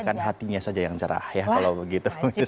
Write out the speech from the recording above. kan hatinya saja yang cerah ya kalau begitu